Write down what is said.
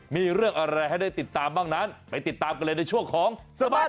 มีเรื่องอะไรให้ได้ติดตามบ้างนั้นไปติดตามกันเลยในช่วงของสบัด